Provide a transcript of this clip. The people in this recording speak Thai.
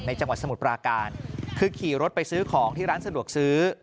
จังหวัดสมุทรปราการคือขี่รถไปซื้อของที่ร้านสะดวกซื้อ